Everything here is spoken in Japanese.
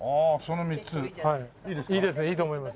いいと思います。